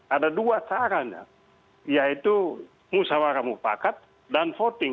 ada dua caranya yaitu musawarah mufakat dan voting